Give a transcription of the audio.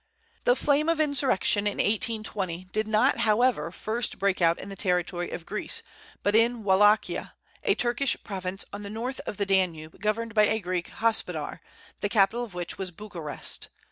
The flame of insurrection in 1820 did not, however, first break out in the territory of Greece, but in Wallachia, a Turkish province on the north of the Danube, governed by a Greek hospodar, the capital of which was Bucharest.